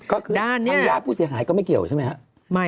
ก็คือทางญาติผู้เสียหายก็ไม่เกี่ยวใช่ไหมครับ